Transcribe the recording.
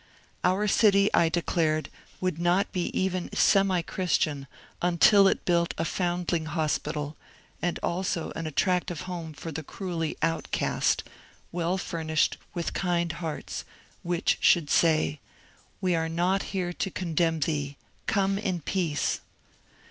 Our city, I declared, would not be even semi Chris tian until it built a Foundling Hospital, and also an attrac tive Home for the cruelly ^' outcast," well furnished with kind hearts, which should say, ^^ We are not here to condemn thee : come in peace